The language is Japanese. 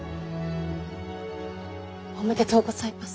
おめでとうございます。